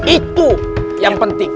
itu yang penting